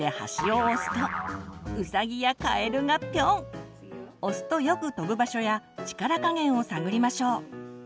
押すとよく飛ぶ場所や力加減を探りましょう。